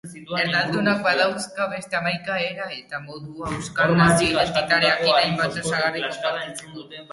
Erdaldunak badauzka beste hamaika era eta modu euskal nazio-identitatearen hainbat osagarri konpartitzeko.